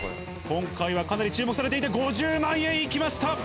今回は注目されていて５０万円行きました！